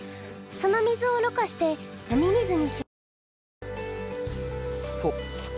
その水をろ過して飲み水にします。